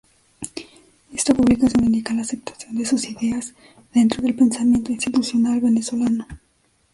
Esta publicación indica la aceptación de sus ideas dentro del pensamiento institucional venezolano.